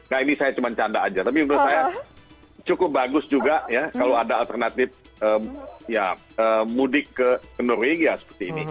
nah ini saya cuma canda aja tapi menurut saya cukup bagus juga ya kalau ada alternatif ya mudik ke norwegia seperti ini